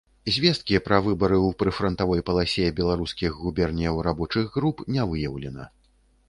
Звесткі пра выбары ў прыфрантавой паласе беларускіх губерняў рабочых груп не выяўлена.